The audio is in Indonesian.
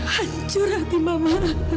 hancur hati mama